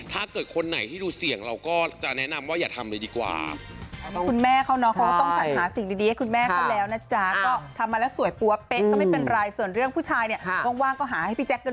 ถ้าเกิดคนไหนที่ดูเสี่ยงเราก็จะแนะนำว่าอย่าทำเลยดีกว่า